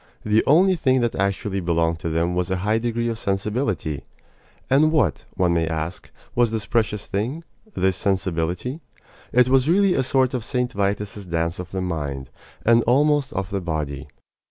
The only thing that actually belonged to them was a high degree of sensibility. And what, one may ask, was this precious thing this sensibility? It was really a sort of St. Vitus's dance of the mind, and almost of the body.